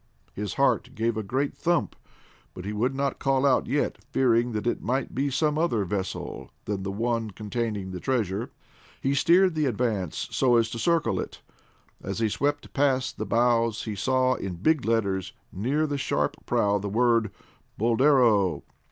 His heart gave a great thump, but he would not call out yet, fearing that it might be some other vessel than the one containing the treasure. He steered the Advance so as to circle it. As he swept past the bows he saw in big letters near the sharp prow the word, Boldero.